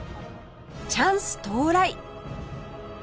チャンス到来！